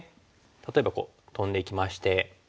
例えばこうトンでいきまして。